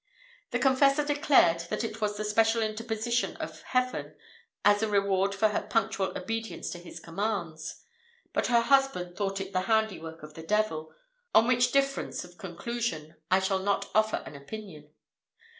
The confessor declared that it was the special interposition of Heaven, as a reward for her punctual obedience to his commands; but her husband thought it the handiwork of the devil; on which difference of conclusion I shall not offer an opinion.